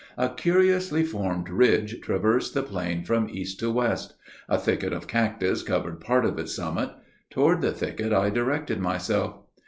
A curiously formed ridge, traversed the plain from east to west. A thicket of cactus covered part of its summit. Toward the thicket I directed myself.